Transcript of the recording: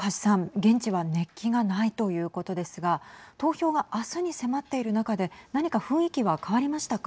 現地は熱気がないということですが投票は明日に迫っている中で何か雰囲気は変わりましたか。